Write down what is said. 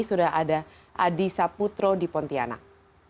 sudah ada adi saputro di pontianak